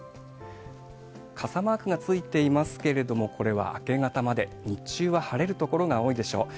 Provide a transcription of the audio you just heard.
傘マークがついていますけれども、これは明け方まで、日中は晴れる所が多いでしょう。